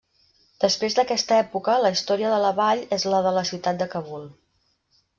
Després d'aquesta època la història de la vall és la de la ciutat de Kabul.